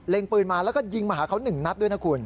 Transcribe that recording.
ปืนมาแล้วก็ยิงมาหาเขา๑นัดด้วยนะคุณ